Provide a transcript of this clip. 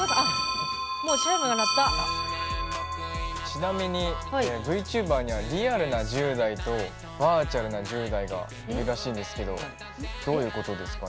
ちなみにＶＴｕｂｅｒにはリアルな１０代とバーチャルな１０代がいるらしいんですけどどういうことですかね？